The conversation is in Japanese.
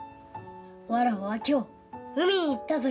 わらわは今日海に行ったぞよ。